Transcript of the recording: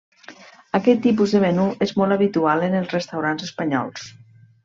Aquest tipus de menú és molt habitual en els restaurants espanyols.